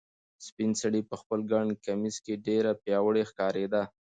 سپین سرې په خپل ګڼ کمیس کې ډېره پیاوړې ښکارېده.